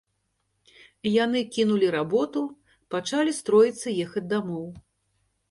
Яны кінулі работу, пачалі строіцца ехаць дамоў.